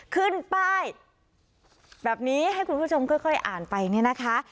ขึ้นป้ายแบบนี้ให้คุณผู้ชมค่อยอ่านไปเนี่ยนะคะ